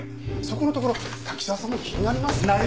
そこのところ滝沢さんも気になりますよね？